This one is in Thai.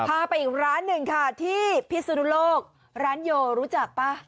พาไปอีกร้านหนึ่งค่ะที่พิศนุโลกร้านโยรู้จักป่ะ